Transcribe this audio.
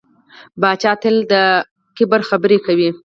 پاچا تل د کبر خبرې کوي .